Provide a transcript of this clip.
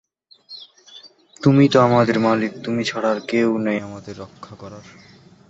কয়েক প্রজাতির সারস পরিযায়ী স্বভাবের; বছরের নির্দিষ্ট সময়ে এরা বহু দূরে পাড়ি জমায়।